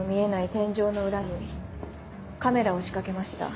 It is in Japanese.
天井の裏にカメラを仕掛けました。